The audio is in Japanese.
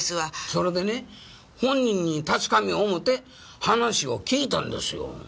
それでね本人に確かめよう思って話を聞いたんですよ。